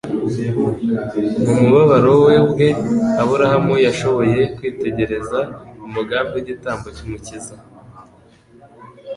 Mu mubabaro we ubwe, Aburahamu yashoboye kwitegereza umugambi w'igitambo cy'Umukiza,